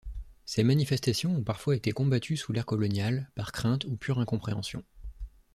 Ces manifestations ont parfois été combattues sous l'ère coloniale, par crainte ou pure incompréhension.